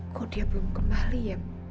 kok dia belum kembali ya